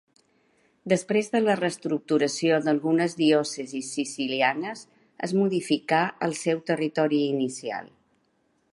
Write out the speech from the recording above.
Després de la reestructuració d'algunes diòcesis sicilianes, es modificà el seu territori inicial.